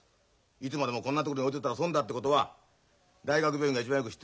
いつまでもこんなとこに置いといたら損だってことは大学病院が一番よく知ってるよ。